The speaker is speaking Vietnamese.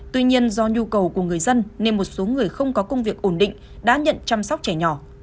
tuy nhiên do nhu cầu của người dân nên một số người không có công việc ổn định đã nhận chăm sóc trẻ nhỏ